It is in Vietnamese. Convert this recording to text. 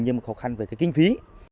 nhưng mà khó khăn về kinh phí